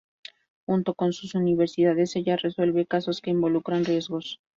Junto con sus universidades, ella resuelve casos que involucran riesgos